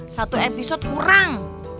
satu episode kurang